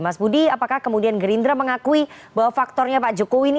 mas budi apakah kemudian gerindra mengakui bahwa faktornya pak jokowi ini